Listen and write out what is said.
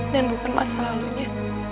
dan bukan masa lalunya